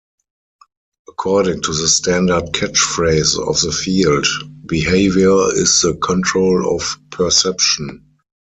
According to the standard catch-phrase of the field, behavior is the control of perception.